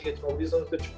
tim dan menembak yang terbaik